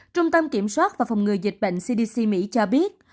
trung tâm kiểm soát và phòng ngừa dịch bệnh cdc mỹ cho biết